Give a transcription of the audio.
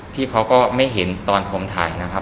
พี่เขาก็ไม่เห็นตอนผมถ่ายนะครับ